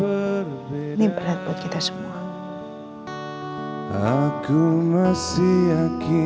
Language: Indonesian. ini berat buat kita semua